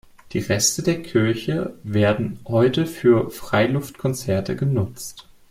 Die Reste der Kirche werden heute für Freiluftkonzerte genutzt.